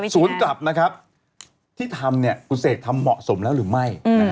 สวนกลับที่ทำคุณเสกทำเหมาะสมแล้วหรือไม่